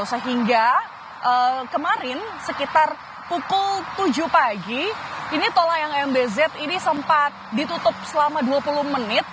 sehingga kemarin sekitar pukul tujuh pagi ini tol layang mbz ini sempat ditutup selama dua puluh menit